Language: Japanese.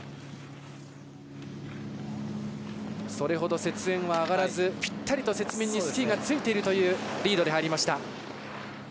それほど雪煙は上がらずぴったり雪面にスキーがついているというリードで入りました。